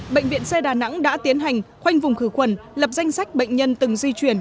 bệnh viện xe đà nẵng đã tiến hành khoanh vùng khử khuẩn lập danh sách bệnh nhân từng di chuyển